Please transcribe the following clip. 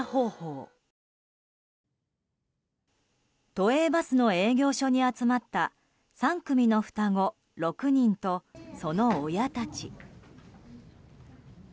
都営バスの営業所に集まった３組の双子６人と、その親たち。